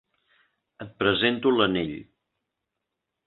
Et presento l'anell.